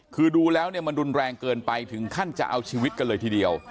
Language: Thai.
คือดูแล้วเนี่ยมันรุนแรงเกินไปถึงขั้นจะเอาชีวิตกันเลยทีเดียว